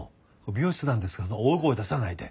病室なんですから大声出さないで。